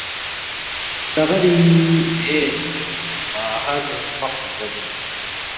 تغرِنگ مین، باہر ہرمق زدمی اِن